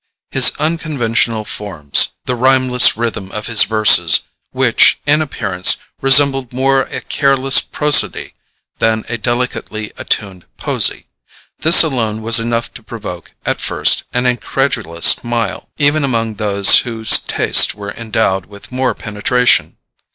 His unconventional forms, the rhymeless rhythm of his verses, which, in appearance, resembled more a careless prosody than a delicately attuned poesy, this alone was enough to provoke, at first, an incredulous smile, even among those whose tastes were endowed with more penetration.